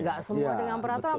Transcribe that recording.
nggak semua dengan peraturan